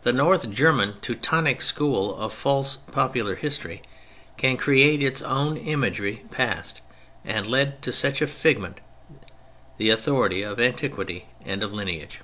The North German "Teutonic" school of false popular history can create its own imaginary past, and lend to such a figment the authority of antiquity and of lineage.